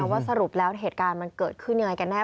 ว่าสรุปแล้วเหตุการณ์มันเกิดขึ้นยังไงกันแน่